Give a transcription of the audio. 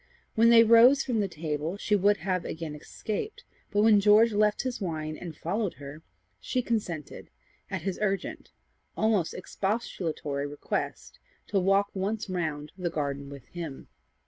When they rose from the table, she would have again escaped, but when George left his wine and followed her, she consented, at his urgent, almost expostulatory request, to walk once round the garden with him.